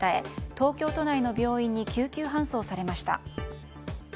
東京都内の病院に救急搬送されました。